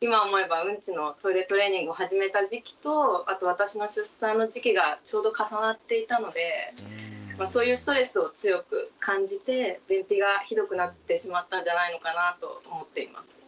今思えばウンチのトイレトレーニングを始めた時期とあと私の出産の時期がちょうど重なっていたのでそういうストレスを強く感じて便秘がひどくなってしまったんじゃないのかなぁと思っています。